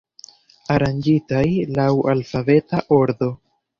Aranĝitaj laŭ alfabeta ordo.